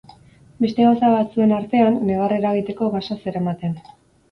Beste gauza batzuen artean, negar eragiteko gasa zeramaten.